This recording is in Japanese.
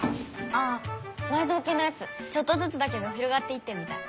ああ埋蔵金のやつちょっとずつだけど広がっていってるみたい。